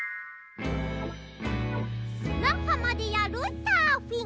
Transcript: すなはまでやるサーフィン。